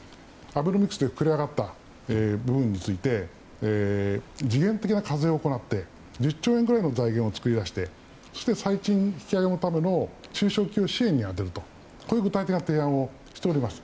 アベノミクスで膨れ上がった部分について時限的な課税を行って１０兆円ぐらいの財源を作り出して最賃引き上げのための中小企業の支援に充てるという具体的な提案をしています。